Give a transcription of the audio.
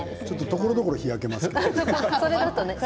ところどころ日焼けしますけれども。